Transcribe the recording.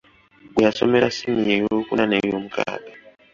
Gye yasomera ssiniya eyookuna n’eyoomukaaga.